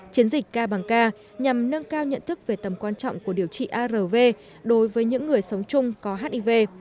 chiến dịch k bằng k nhằm nâng cao nhận thức về tầm quan trọng của điều trị arv đối với những người sống chung có hiv